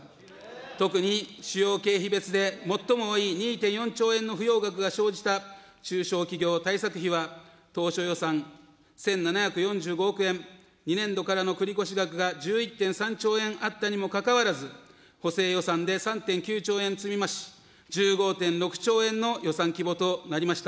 特に、主要経費別で最も多い２．４兆円の不用額が生じた中小企業対策費は当初予算１７４５億円、２年度からの繰越額が１１．３兆円あったにもかかわらず、補正予算で３．９兆円積み増し、１５．６兆円の予算規模となりました。